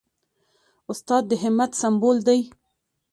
استاد د همت سمبول دی.